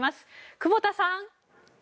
久保田さん。